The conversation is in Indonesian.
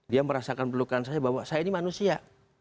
dia merasakan pelukan saya bahwa saya ini manusia